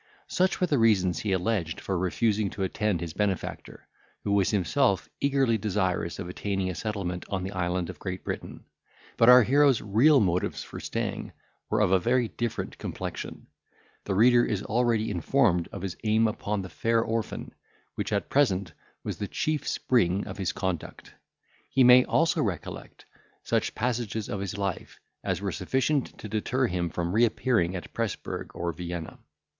Such were the reasons he alleged for refusing to attend his benefactor, who was himself eagerly desirous of attaining a settlement in the island of Great Britain. But our hero's real motives for staying were of a very different complexion.—The reader is already informed of his aim upon the fair orphan, which, at present, was the chief spring of his conduct. He may also recollect such passages of his life, as were sufficient to deter him from reappearing at Presburg or Vienna.